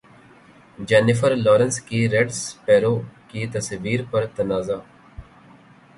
Jennifer Lawrence کی Red Sparrow کی تصویر پر تنازع